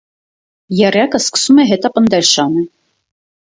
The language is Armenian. Եռյակը սկսում է հետապնդել շանը։